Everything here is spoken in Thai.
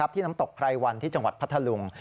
ที่น้ำตกไพรวันที่จังหวัดพัทธลุง